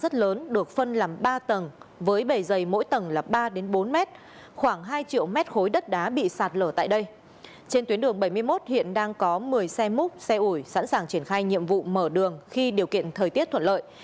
trên tuyến đường bảy mươi một hiện đang có một mươi xe múc xe ủi sẵn sàng triển khai nhiệm vụ mở đường khi điều kiện thời tiết thuận lợi